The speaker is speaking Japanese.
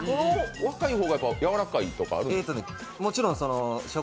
小さい方がやわらかいとかってあるんですか？